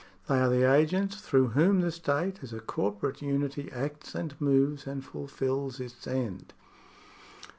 They are the agents through whom the state, as a corporate unity, acts and moves and fulfils its end.